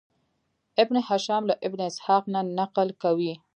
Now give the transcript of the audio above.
ابن هشام له ابن اسحاق نه نقل کوي.